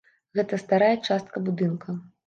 Гэта старая частка будынка.